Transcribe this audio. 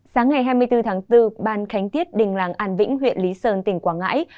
sáng ngày hai mươi bốn tháng bốn ban khánh tiết đình làng an vĩnh huyện lý sơn tỉnh quảng ngãi